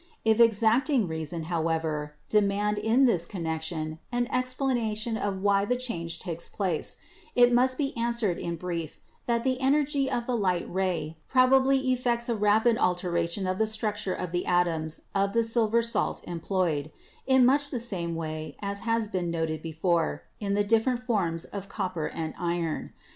If exacting Reason, however, demand in this connection an explanation of why the change takes place, it must be answered in brief that the energy of the light ray probably effects a rapid alteration of the structure of the atoms of the silver salt employed, in much the same way as has been noted before in the dif ferent forms of copper and iron.